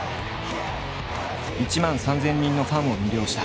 １万３，０００人のファンを魅了した。